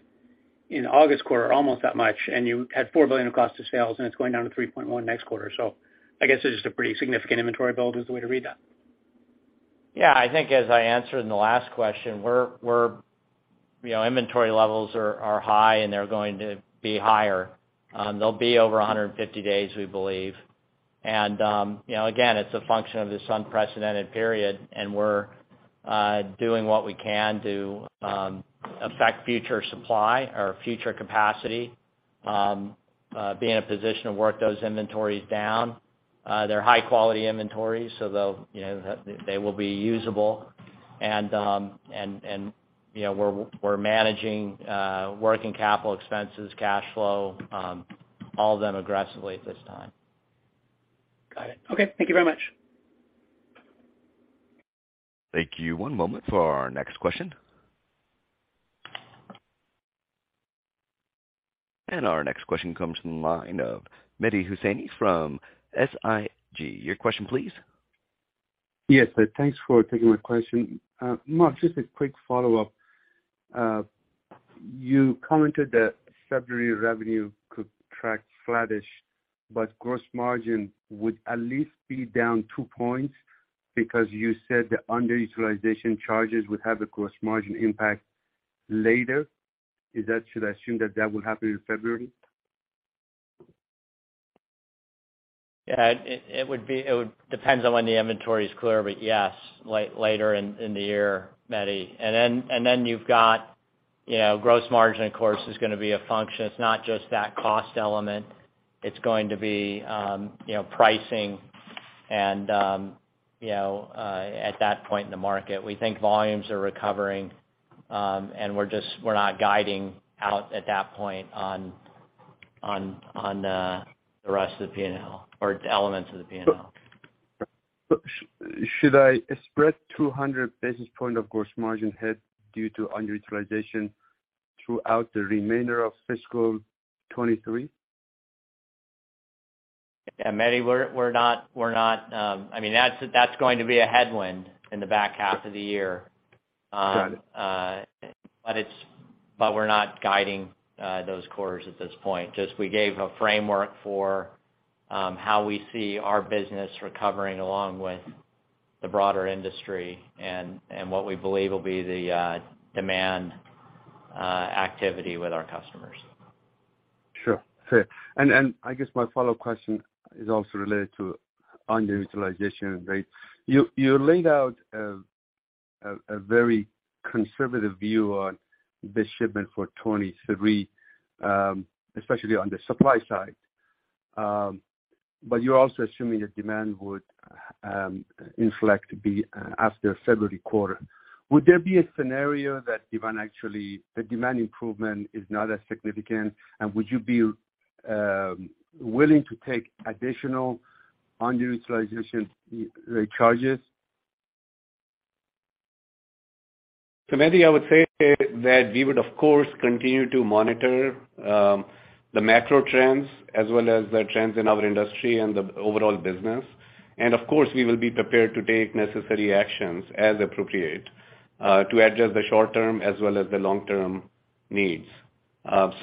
August quarter, almost that much, and you had $4 billion of cost of sales, and it's going down to $3.1 billion next quarter. I guess it's just a pretty significant inventory build is the way to read that. Yeah. I think as I answered in the last question, you know, inventory levels are high, and they're going to be higher. They'll be over 150 days, we believe. You know, again, it's a function of this unprecedented period, and we're doing what we can to affect future supply or future capacity, be in a position to work those inventories down. They're high-quality inventories, so they'll, you know, they will be usable. You know, we're managing working capital expenses, cash flow, all of them aggressively at this time. Got it. Okay, thank you very much. Thank you. One moment for our next question. Our next question comes from the line of Mehdi Hosseini from SIG. Your question please. Yes. Thanks for taking my question. Mark, just a quick follow-up. You commented that February revenue could track flattish, but gross margin would at least be down two points because you said the underutilization charges would have a gross margin impact later. Should I assume that will happen in February? Yeah. It would depend on when the inventory is clear, but yes, later in the year, Mehdi. You've got, you know, gross margin, of course, is gonna be a function. It's not just that cost element. It's going to be, you know, pricing and, you know, at that point in the market. We think volumes are recovering, and we're not guiding out at that point on the rest of the P&L or elements of the P&L. Should I expect 200 basis points of gross margin hit due to underutilization throughout the remainder of fiscal 2023? Yeah, Mehdi, we're not. I mean, that's going to be a headwind in the back half of the year. Got it. We're not guiding those quarters at this point. Just we gave a framework for how we see our business recovering along with the broader industry and what we believe will be the demand activity with our customers. Sure. Fair. I guess my follow-up question is also related to underutilization rate. You laid out a very conservative view on the shipment for 2023, especially on the supply side. But you're also assuming that demand would inflect after February quarter. Would there be a scenario that the demand improvement is not as significant, and would you be willing to take additional underutilization rate charges? Mehdi, I would say that we would, of course, continue to monitor the macro trends as well as the trends in our industry and the overall business. Of course, we will be prepared to take necessary actions as appropriate to address the short term as well as the long-term needs.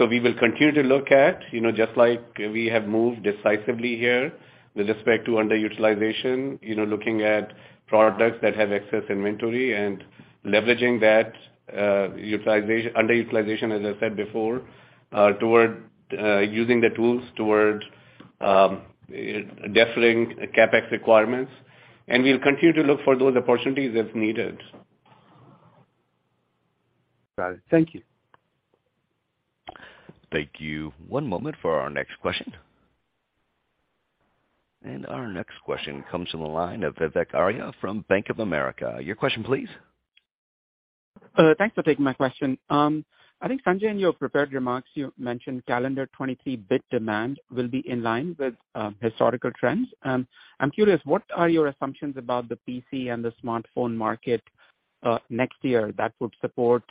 We will continue to look at, you know, just like we have moved decisively here with respect to underutilization, you know, looking at products that have excess inventory and leveraging that underutilization, as I said before, toward using the tools toward deferring CapEx requirements. We'll continue to look for those opportunities as needed. Got it. Thank you. Thank you. One moment for our next question. Our next question comes from the line of Vivek Arya from Bank of America. Your question please. Thanks for taking my question. I think, Sanjay, in your prepared remarks, you mentioned calendar 2023 bit demand will be in line with historical trends. I'm curious, what are your assumptions about the PC and the smartphone market next year that would support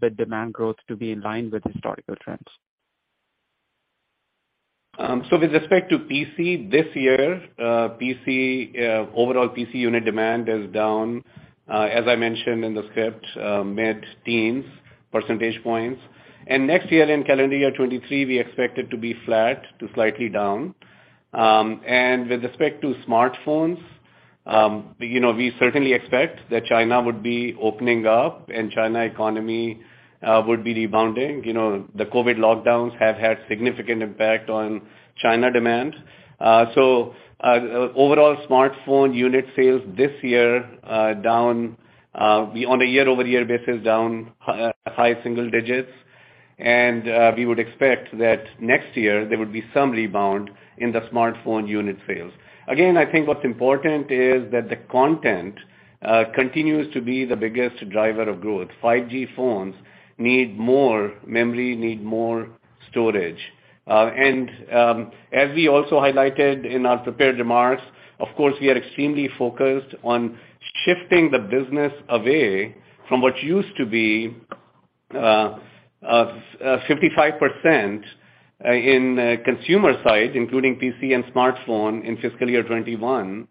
bit demand growth to be in line with historical trends? So with respect to PC this year, overall PC unit demand is down, as I mentioned in the script, mid-teens percentage points. Next year in calendar year 2023, we expect it to be flat to slightly down. With respect to smartphones, you know, we certainly expect that China would be opening up and China economy would be rebounding. You know, the COVID lockdowns have had significant impact on China demand. Overall smartphone unit sales this year down on a year-over-year basis high single digits. We would expect that next year there would be some rebound in the smartphone unit sales. Again, I think what's important is that the content continues to be the biggest driver of growth. 5G phones need more memory, need more storage. As we also highlighted in our prepared remarks, of course, we are extremely focused on shifting the business away from what used to be 55% in consumer side, including PC and smartphone in fiscal year 2021,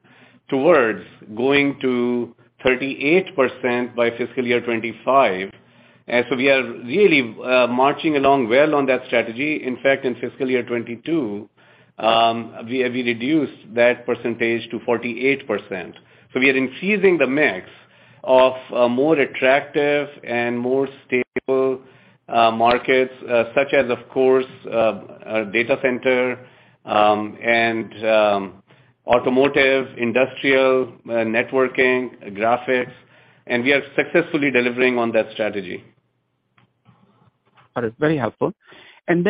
towards going to 38% by fiscal year 2025. We are really marching along well on that strategy. In fact, in fiscal year 2022, we reduced that percentage to 48%. We are increasing the mix of more attractive and more stable markets, such as, of course, data center and automotive, industrial, networking, graphics, and we are successfully delivering on that strategy. That is very helpful. On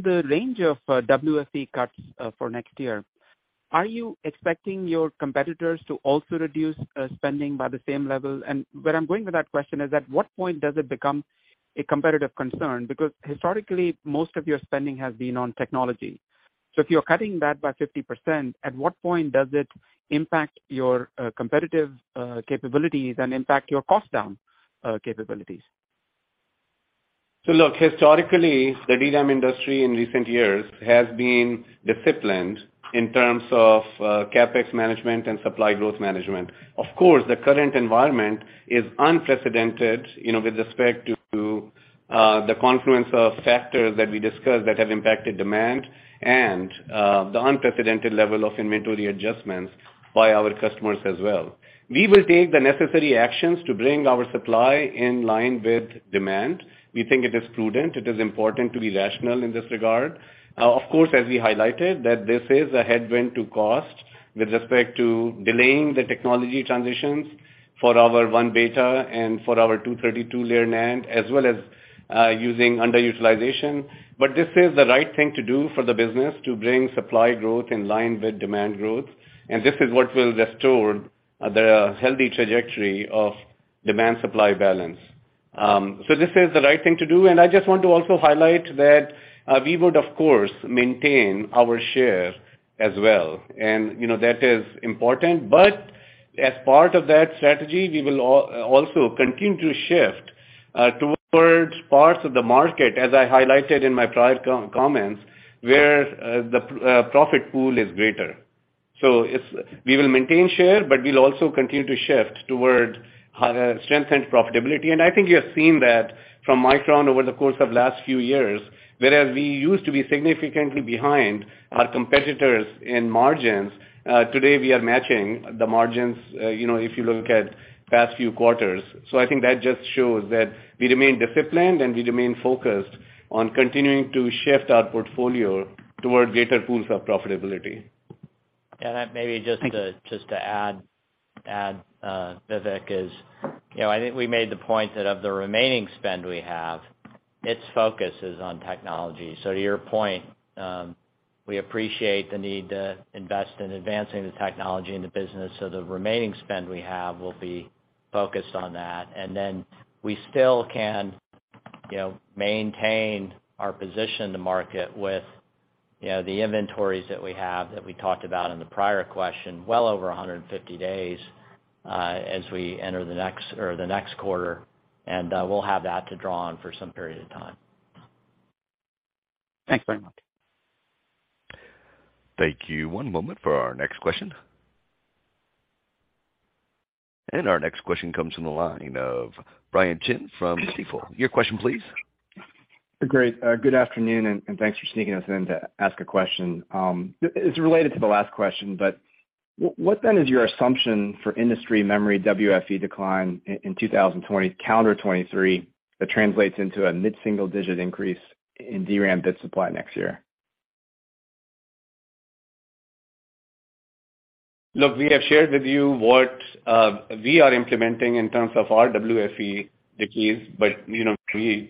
the range of WFE cuts for next year, are you expecting your competitors to also reduce spending by the same level? Where I'm going with that question is, at what point does it become a competitive concern? Because historically, most of your spending has been on technology. If you're cutting that by 50%, at what point does it impact your competitive capabilities and impact your cost down capabilities? Look, historically, the DRAM industry in recent years has been disciplined in terms of CapEx management and supply growth management. Of course, the current environment is unprecedented, you know, with respect to the confluence of factors that we discussed that have impacted demand and the unprecedented level of inventory adjustments by our customers as well. We will take the necessary actions to bring our supply in line with demand. We think it is prudent. It is important to be rational in this regard. Of course, as we highlighted, that this is a headwind to cost with respect to delaying the technology transitions for our 1β and for our 232-layer NAND, as well as using underutilization. This is the right thing to do for the business to bring supply growth in line with demand growth. This is what will restore the healthy trajectory of demand-supply balance. This is the right thing to do. I just want to also highlight that we would, of course, maintain our share as well. You know, that is important. As part of that strategy, we will also continue to shift towards parts of the market, as I highlighted in my prior comments, where the profit pool is greater. We will maintain share, but we'll also continue to shift towards strength and profitability. I think you have seen that from Micron over the course of last few years, whereas we used to be significantly behind our competitors in margins, today we are matching the margins, you know, if you look at past few quarters. I think that just shows that we remain disciplined, and we remain focused on continuing to shift our portfolio toward greater pools of profitability. Yeah. Thank you. Just to add, Vivek, you know, I think we made the point that of the remaining spend we have, it's focus is on technology. So to your point, we appreciate the need to invest in advancing the technology in the business. So the remaining spend we have will be focused on that. Then we still can, you know, maintain our position in the market with, you know, the inventories that we have that we talked about in the prior question, well over 150 days, as we enter the next quarter, and we'll have that to draw on for some period of time. Thanks very much. Thank you. One moment for our next question. Our next question comes from the line of Brian Chin from Stifel. Your question, please. Great. Good afternoon, and thanks for sneaking us in to ask a question. It's related to the last question, but what then is your assumption for industry memory WFE decline in 2023, that translates into a mid-single digit increase in DRAM bit supply next year? Look, we have shared with you what we are implementing in terms of our WFE, but you know, we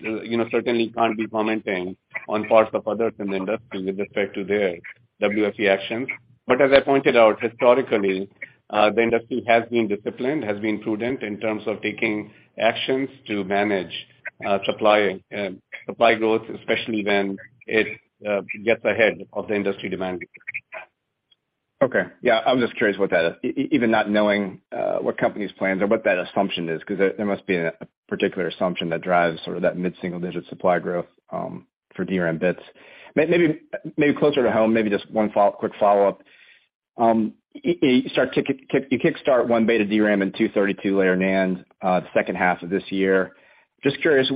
certainly can't be commenting on parts of others in the industry with respect to their WFE actions. As I pointed out, historically, the industry has been disciplined, has been prudent in terms of taking actions to manage supply growth, especially when it gets ahead of the industry demand. Okay. Yeah, I was just curious what that is. Even not knowing what company's plans are, what that assumption is, 'cause there must be a particular assumption that drives sort of that mid-single digit supply growth for DRAM bits. Maybe closer to home, maybe just one quick follow-up. You kick start 1β DRAM and 232-layer NAND the second half of this year. Just curious,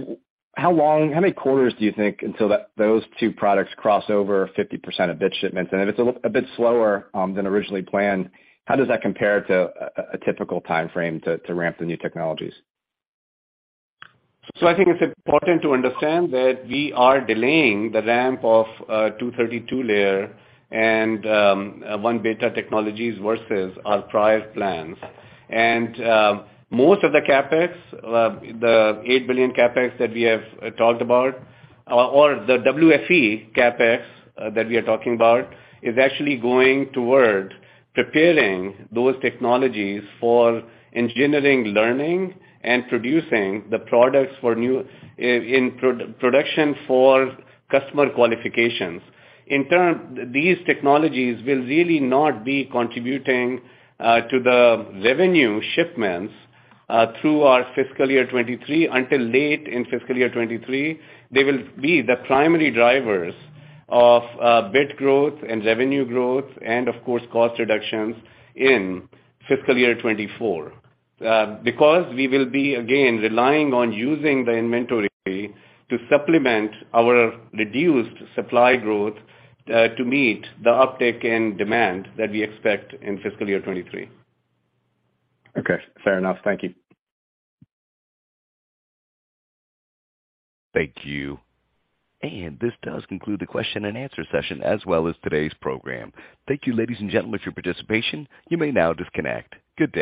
how long, how many quarters do you think until those two products cross over 50% of bit shipments? If it's a little bit slower than originally planned, how does that compare to a typical timeframe to ramp the new technologies? I think it's important to understand that we are delaying the ramp of 232-layer and 1β technologies versus our prior plans. Most of the CapEx, the $8 billion CapEx that we have talked about, or the WFE CapEx that we are talking about, is actually going toward preparing those technologies for engineering learning and producing the products for new in production for customer qualifications. These technologies will really not be contributing to the revenue shipments through our fiscal year 2023, until late in fiscal year 2023. They will be the primary drivers of bit growth and revenue growth and of course, cost reductions in fiscal year 2024. Because we will be, again, relying on using the inventory to supplement our reduced supply growth, to meet the uptick in demand that we expect in fiscal year 2023. Okay. Fair enough. Thank you. Thank you. This does conclude the question and answer session, as well as today's program. Thank you, ladies and gentlemen, for your participation. You may now disconnect. Good day.